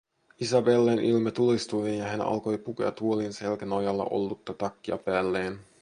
Isabellen ilme tulistui, ja hän alkoi pukea tuolin selkänojalla ollutta takkia päälleen: